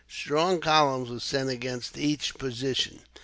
Strong columns were sent against each position.